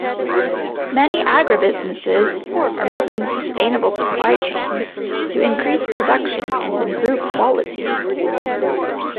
Many agribusinesss are building sustainable supply chains to increase production and improve quality.